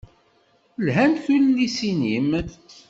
Lhant tullisin-im.